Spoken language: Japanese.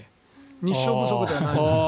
日照不足ではないので。